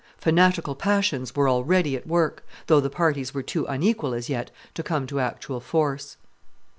Fanatical passions were already at work, though the parties were too unequal as yet to come to actual force.